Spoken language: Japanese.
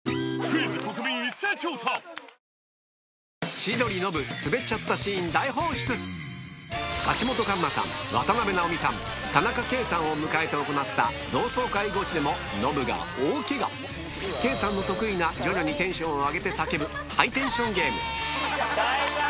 千鳥・ノブすべっちゃったシーン大放出を迎えて行った同窓会ゴチでもノブが大ケガ圭さんの得意な徐々にテンションを上げて叫ぶハイテンションゲーム